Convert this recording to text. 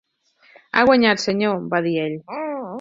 "Ha guanyat, senyor", va dir ell.